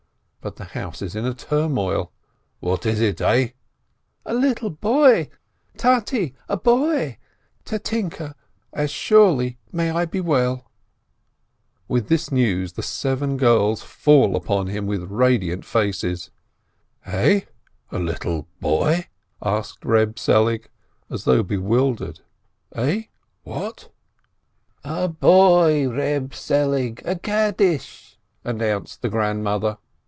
But the house is in a turmoil. "What is it, eh ?" "A little boy ! Tate, a boy ! Tatinke, as surely may I be well !" with this news the seven girls fall upon him with radiant faces. "Eh, a little boy ?" asked Reb Selig, as though bewil dered, "eh? what?" THE KADDISH 423 "A boy, Eeb Selig, a Kaddish!" announced the "grandmother."